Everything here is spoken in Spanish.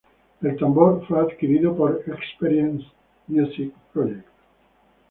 El tambor fue adquirido por Experience Music Project.